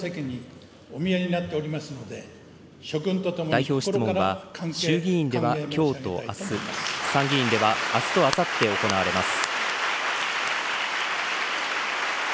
代表質問は、衆議院ではきょうとあす、参議院ではあすとあさって行われます。